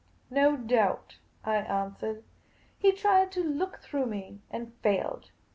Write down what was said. " No doubt," I answered. He tried to look through me, and failed.